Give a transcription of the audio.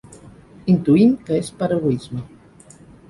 Intuïm que és per egoisme.